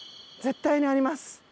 絶対にあります。